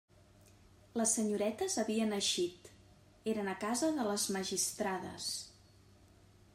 Les senyoretes havien eixit; eren a casa de «les magistrades».